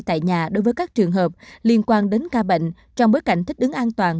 tại nhà đối với các trường hợp liên quan đến ca bệnh trong bối cảnh thích ứng an toàn